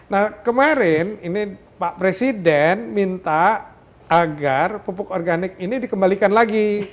nah kemarin ini pak presiden minta agar pupuk organik ini dikembalikan lagi